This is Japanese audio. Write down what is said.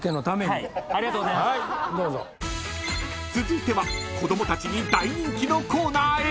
［続いては子供たちに大人気のコーナーへ］